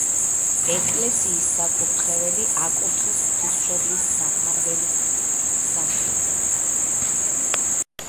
ეკლესიის საკურთხეველი აკურთხეს ღვთისმშობლის საფარველის სახელზე.